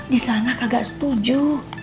di sana kagak setuju